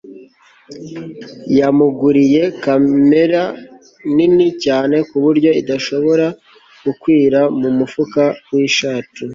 yamuguriye kamera nini cyane kuburyo idashobora gukwira mu mufuka w'ishati